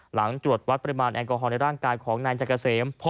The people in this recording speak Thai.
หลังตรวจวัดปริมาณแอลกอฮอลในร่างกายของนายจักรเสม